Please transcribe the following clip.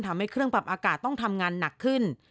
ทำให้เครื่องปรับอากาศต้องทำงานหนักขึ้น